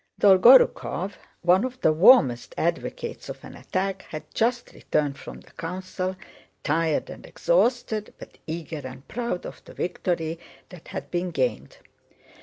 Dolgorúkov, one of the warmest advocates of an attack, had just returned from the council, tired and exhausted but eager and proud of the victory that had been gained.